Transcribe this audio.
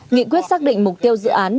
nghị quyết xác định mục tiêu dự án